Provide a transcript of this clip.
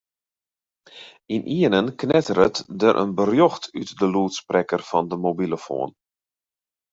Ynienen knetteret der in berjocht út de lûdsprekker fan de mobilofoan.